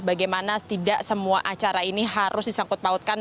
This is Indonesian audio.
bagaimana tidak semua acara ini harus disangkut pautkan